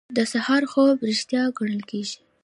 د سهار خوب ریښتیا ګڼل کیږي.